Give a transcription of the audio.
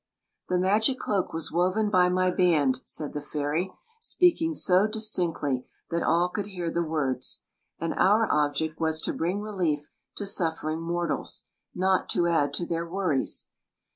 "The magic cloak was woven by my band," said the fairy, speaking so distinctly that aJl could hear the words; "and our object was to bring relief to suffering mortals — not to add to their worries.